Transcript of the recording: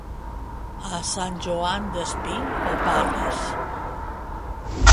A Sant Joan Despí, paparres.